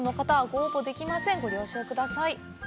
ご了承ください。